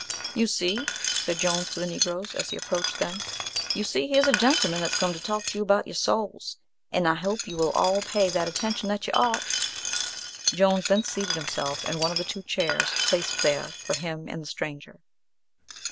"You see," said Jones to the Negroes, as he approached them, you see here's a gentleman that's come to talk to you about your souls, and I hope you 'ill all pay that attention that you ought." Jones then seated himself in one of the two chairs placed there for him and the stranger.